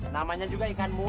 namanya juga ikan burah